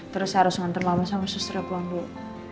terus saya harus ngantar mama sama sestri pulang dulu